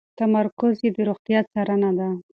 تمرکز یې د روغتیا څارنه ده.